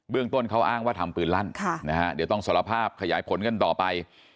เรื่องต้นเขาอ้างว่าทำปืนลั่นเดี๋ยวต้องสารภาพขยายผลกันต่อไป